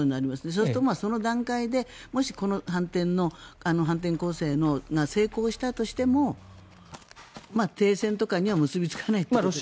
そうすると、その段階でもしこの反転攻勢が成功したとしても停戦とかには結びつかないということですね。